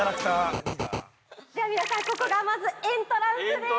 ◆じゃあ皆さん、ここがまず、エントランスです！